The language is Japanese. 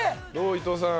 伊藤さん。